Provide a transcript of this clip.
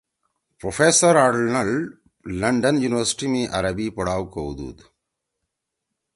پروفیسر آرنڈ لندن یونیورسٹی می عربی پڑھاؤ کؤدُود